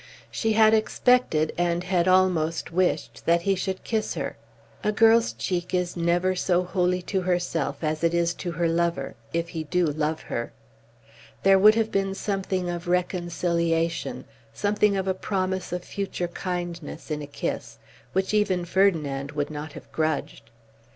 She had expected and had almost wished that he should kiss her. A girl's cheek is never so holy to herself as it is to her lover, if he do love her. There would have been something of reconciliation, something of a promise of future kindness in a kiss, which even Ferdinand would not have grudged.